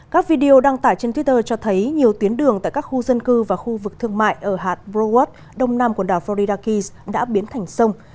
các video đăng tải trên twitter cho thấy nhiều tuyến đường tại các khu dân cư và khu vực thương mại ở hạt broward đông nam quần đảo florida kys đã biến thành sông